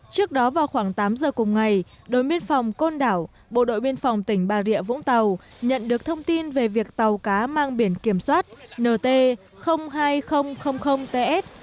trước đó vào khoảng tám giờ cùng ngày đội biên phòng côn đảo bộ đội biên phòng tỉnh bà rịa vũng tàu nhận được thông tin về việc tàu cá mang biển kiểm soát nt hai nghìn ts